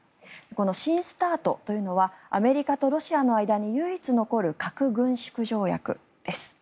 この新ＳＴＡＲＴというのはアメリカとロシアの間に唯一残る核軍縮条約です。